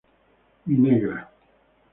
Mi negra.